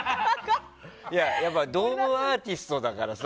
やっぱりドームアーティストだからさ。